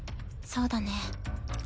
そうだね。